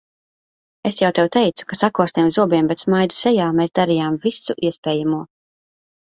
Es jau tev teicu, ka sakostiem zobiem, bet smaidu sejā mēs darījām visu iespējamo.